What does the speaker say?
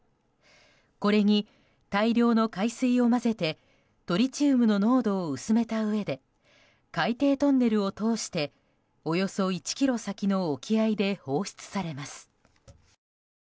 これに大量の海水を混ぜてトリチウムの濃度を薄めたうえで海底トンネルを通しておよそ１ｋｍ先の沖合で放出されます。